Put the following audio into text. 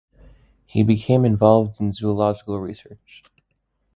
He became involved in zoological research.